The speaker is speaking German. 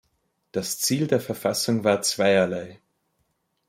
Das Ziel der Verfassung war zweierlei.